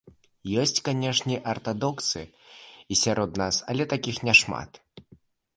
Ёсць, канешне, артадоксы і сярод нас, але такіх няшмат.